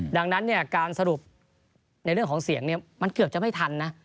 ดังนั้นการสรุปในเรื่องของเสียงมันเกือบจะไม่ทันนะ